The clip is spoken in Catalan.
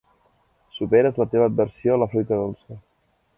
Superes la teva aversió a la fruita dolça.